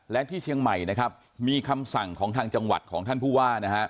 และที่เชียงใหม่นะครับมีคำสั่งของทางจังหวัดของท่านผู้ว่านะฮะ